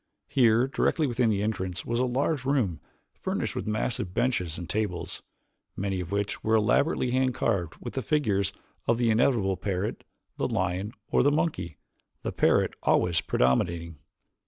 Here, directly within the entrance was a large room furnished with massive benches and tables, many of which were elaborately hand carved with the figures of the inevitable parrot, the lion, or the monkey, the parrot always predominating.